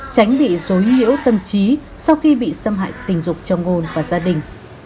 tránh bị dối nhiễu tâm trí sau khi bị xâm hại tình dục cho ngôn và gia đình